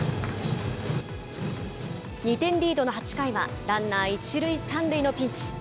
２点リードの８回は、ランナー１塁３塁のピンチ。